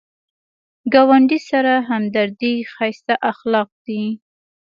ګاونډي سره همدردي ښایسته اخلاق دي